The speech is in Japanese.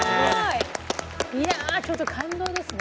いやちょっと感動ですね。